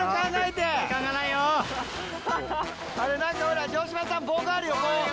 何かほら城島さん棒があるよ棒。